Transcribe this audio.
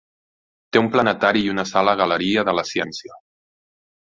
Té un planetari i una sala Galeria de la Ciència.